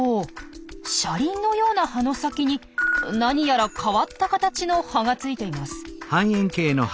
車輪のような葉の先になにやら変わった形の葉がついています。